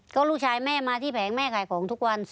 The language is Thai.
ก็ลูกชายแม่มาที่แผงแม่ขายของทุกวัน